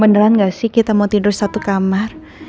beneran gak sih kita mau tidur satu kamar